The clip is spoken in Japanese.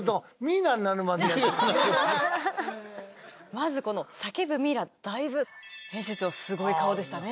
まずこの叫ぶミイラだいぶ編集長すごい顔でしたね。